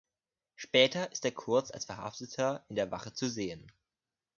Später ist er kurz als Verhafteter in der Wache zu sehen.